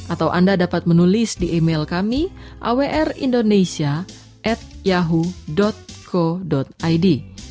atau anda dapat menulis di email kami awrindonesia yahoo co id